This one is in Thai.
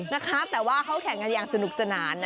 นะคะแต่ว่าเขาแข่งกันอย่างสนุกสนานนะ